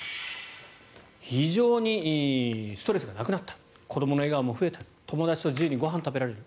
非常にストレスがなくなった子どもの笑顔も増えた友達と自由にご飯を食べられる。